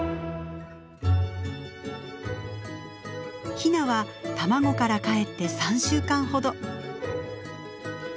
ヒナは卵からかえって３週間ほど。